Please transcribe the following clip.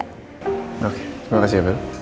terima kasih ya bel